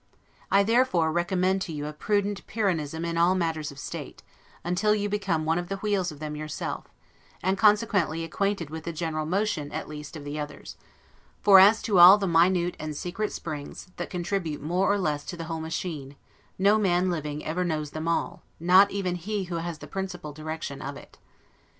I therefore recommend to you a prudent Pyrrhonism in all matters of state, until you become one of the wheels of them yourself, and consequently acquainted with the general motion, at least, of the others; for as to all the minute and secret springs, that contribute more or less to the whole machine, no man living ever knows them all, not even he who has the principal direction of it.